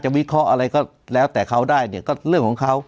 วิเคราะห์อะไรก็แล้วแต่เขาได้เนี่ยก็เรื่องของเขา